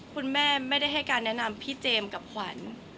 คุณแม่ไม่ได้ให้การแนะนำพี่เจมส์กับขวัญ